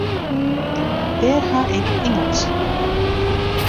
Wêr ha ik Ingelsk?